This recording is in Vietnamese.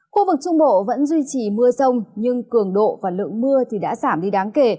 khu vực trung bộ vẫn duy trì mưa rông nhưng cường độ và lượng mưa thì đã giảm đi đáng kể